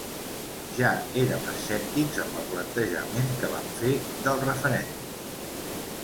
Ja érem escèptics amb el plantejament que van fer del referèndum.